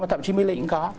thậm chí mỹ lịnh cũng có